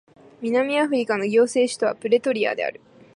南アフリカの行政首都はプレトリアである